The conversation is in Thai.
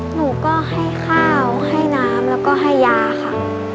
หนูก็ให้ข้าวให้น้ำแล้วก็ให้ยาค่ะ